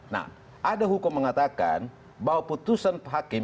nah ada hukum mengatakan bahwa putusan hakim